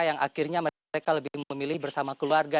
yang akhirnya mereka lebih memilih bersama keluarga